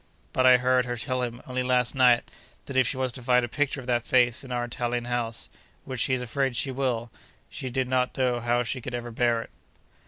But I heard her tell him, only last night, that if she was to find a picture of that face in our Italian house (which she is afraid she will) she did not know how she could ever bear it.